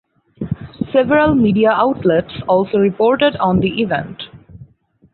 Several media outlets also reported on the event.